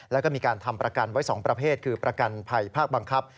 แล้วก็มีการทำประกันไว้๒ประเภทคือประกันภัยภาคบังคับ